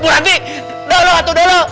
buranti dahulu dahulu